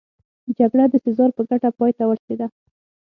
جګړه د سزار په ګټه پای ته ورسېده.